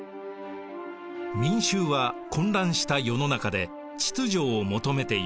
民衆は混乱した世の中で秩序を求めていました。